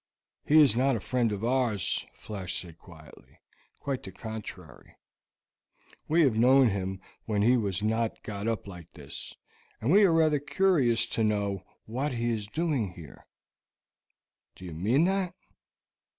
"He is not a friend of ours," Flash said quietly; "quite the contrary. We have known him when he was not got up like this, and we are rather curious to know what he is doing here." "Do you mean that?"